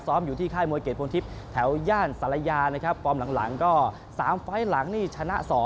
อยู่ที่ค่ายมวยเกรดพลทิพย์แถวย่านศาลยานะครับฟอร์มหลังก็๓ไฟล์หลังนี่ชนะ๒